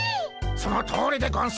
そのとおりでゴンス。